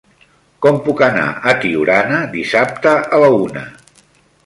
Com puc anar a Tiurana dissabte a la una?